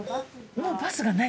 もうバスがない？